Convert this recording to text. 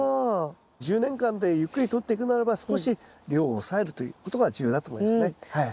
１０年間でゆっくりとっていくならば少し量を抑えるということが重要だと思いますねはい。